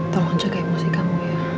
tolong jaga emosi kamu ya